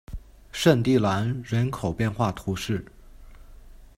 圣蒂兰人口变化图示